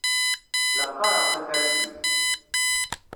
La qqaṛeɣ tafarsit.